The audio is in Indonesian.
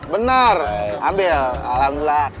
benar ambil alhamdulillah